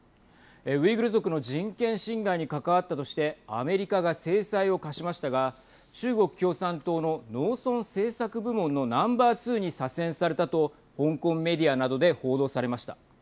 ウイグル族の人権侵害に関わったとしてアメリカが制裁を科しましたが中国共産党の農村政策部門のナンバー２に左遷されたと香港メディアなどで報道されました。